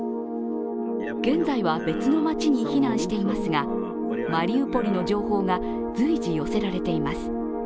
現在は別の街に避難していますが、マリウポリの情報が随時寄せられています。